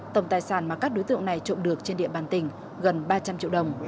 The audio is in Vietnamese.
tổng tài sản mà các đối tượng này trộm được trên địa bàn tỉnh gần ba trăm linh triệu đồng